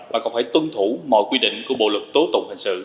và còn phải tuân thủ mọi quy định của bộ luật tốt tụng hình sự